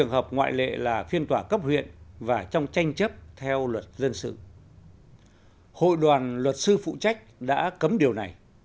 hội đoàn luật sư phụ trách đã cấm điều này